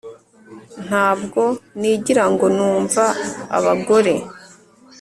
Ntabwo nigira ngo numva abagore